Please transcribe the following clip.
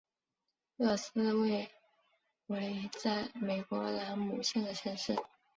厄斯为位在美国兰姆县的城市。